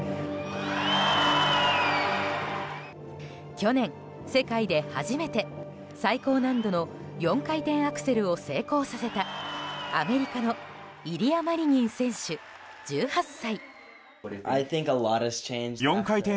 去年、世界で初めて最高難度の４回転アクセルを成功させたアメリカのイリア・マリニン選手、１８歳。